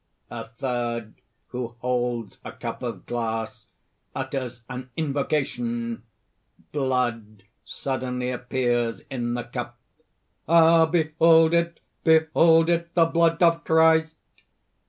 (A third, who holds a cup of glass, utters an invocation; blood suddenly appears in the cup:) "Ah! behold it! behold it! the blood of Christ!"